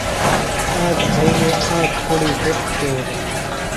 آک زھئی وے آک کُڑی پُتر جولوۡ۔